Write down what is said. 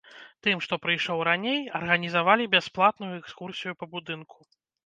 Тым, што прыйшоў раней, арганізавалі бясплатную экскурсію па будынку.